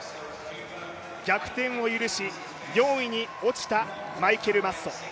逆転を許し４位に落ちたマイケル・マッソ。